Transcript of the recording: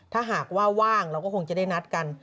ถ้าหากว่าว่างเราก็คงจะได้นัดกัน